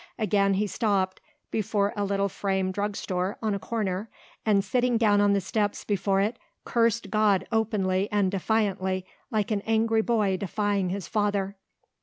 Again he stopped, before a little frame drugstore on a corner, and sitting down on the steps before it cursed God openly and defiantly like an angry boy defying his father.